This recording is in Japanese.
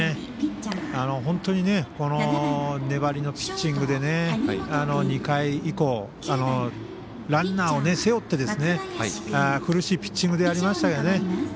本当に粘りのピッチングで２回以降、ランナーを背負って苦しいピッチングでありましたよね。